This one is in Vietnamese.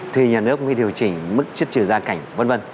thì nhà nước cũng phải điều chỉnh mức chất trừ gia cảnh vân vân